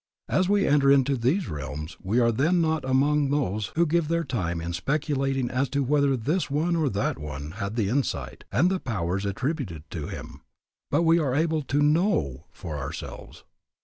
As we enter into these realms we are then not among those who give their time in speculating as to whether this one or that one had the insight and the powers attributed to him, but we are able to know for ourselves.